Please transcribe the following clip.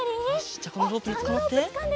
じゃあこのロープにつかまって。